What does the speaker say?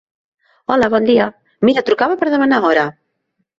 Hola bon dia, mira trucava per demanar hora.